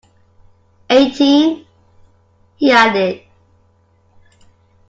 Eighteen, he added.